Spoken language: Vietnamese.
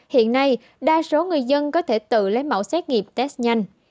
hiện nay đa số người dân có thể tự lấy mẫu xét nghiệm test nhanh